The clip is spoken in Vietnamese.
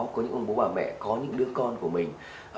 có những ông bố bà mẹ có những đứa con của mình